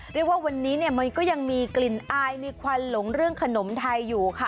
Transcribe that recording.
เรียกว่าวันนี้เนี่ยมันก็ยังมีกลิ่นอายมีควันหลงเรื่องขนมไทยอยู่ค่ะ